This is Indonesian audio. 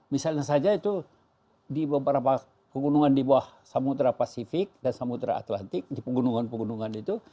misalnya saja itu di beberapa pegunungan di bawah samudera pasifik dan samudera atlantik di pegunungan pegunungan itu